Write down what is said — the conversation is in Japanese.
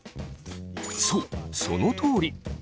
そうそのとおり。